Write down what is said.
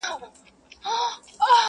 یا شریک دي د ناولو یا پخپله دي ناولي!!